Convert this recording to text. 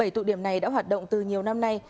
bảy tụ điểm này đã hoạt động từ nhiều năm nay